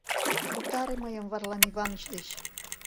Утаре мыйым Варлам Иваныч деч!